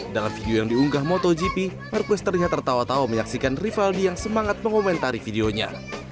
dalam video yang diunggah motogp marcus terlihat tertawa tawa menyaksikan rivaldi yang semangat mengomentari videonya